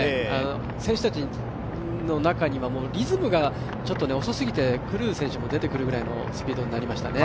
選手たちの中にはリズムが、遅すぎて狂う選手も出てくるぐらいのスピードになりましたね。